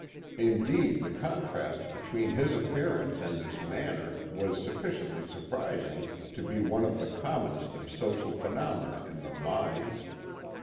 Indeed, the contrast between his appearance and his manner was sufficiently surprising to be one of the commonest of social phenomena in the mines.